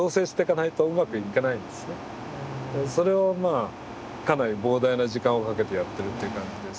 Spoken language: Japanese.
それをまあかなり膨大な時間をかけてやってるっていう感じです。